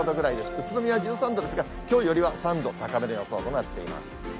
宇都宮１３度ですが、きょうよりは３度高めの予想となっています。